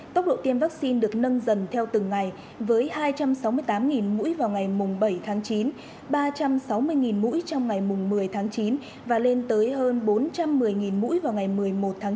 tốc độ tiêm vaccine được nâng dần theo từng ngày với hai trăm sáu mươi tám mũi vào ngày bảy tháng chín ba trăm sáu mươi mũi trong ngày một mươi tháng chín và lên tới hơn bốn trăm một mươi mũi vào ngày một mươi một tháng chín